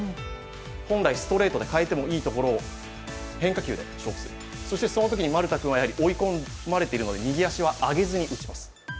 本来、ストレートで変えてもいいところを変化球で勝負する、そのときに丸田君は追い込まれているので、右足は上げずに打ちます。